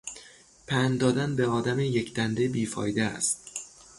پند دادن به آدم یکدنده بی فایده است.